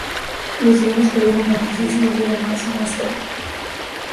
Los guiones perdieron fantasía y se volvieron más "western".